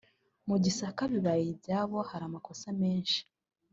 mu gisaka bibaye ibyabo hari amakosa menshi